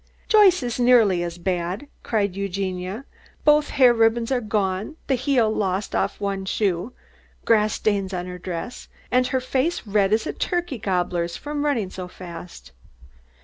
"Joyce is nearly as bad!" cried Eugenia; "both hair ribbons gone, the heel lost off one shoe, grass stains on her dress, and her face red as a turkey gobbler's, from running so fast."